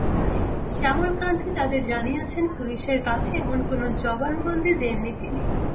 শ্যামল কান্তি তাঁদের জানিয়েছেন, পুলিশের কাছে এমন কোনো জবানবন্দি দেননি তিনি।